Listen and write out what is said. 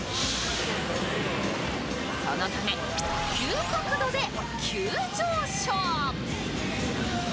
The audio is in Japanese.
そのため急角度で急上昇。